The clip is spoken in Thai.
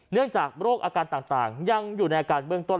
เนื่องจากโรคอาการต่างยังอยู่ในอาการเบื้องต้น